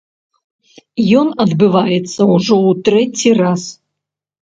Ён адбываецца ўжо ў трэці раз.